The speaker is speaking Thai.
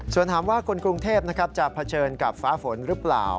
ส่วนถามว่าคนกรุงเทพจะเผชิญกับฟ้าฝนหรือเปล่า